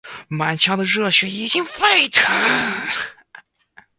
满腔的热血已经沸腾，